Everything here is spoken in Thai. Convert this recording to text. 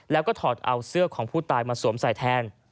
แล้วก็ถอดเอาเสื้อของผู้ตายมาสวมใส่แทน